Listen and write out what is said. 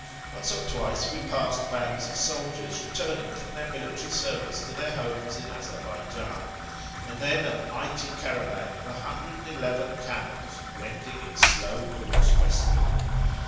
Once or twice we passed bands of soldiers returning from their military service to their homes in Azarbaijan, and then a mighty caravan of 1 11 camels wending its slow course westwards.